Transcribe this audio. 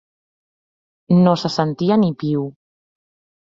No se sentia ni piu.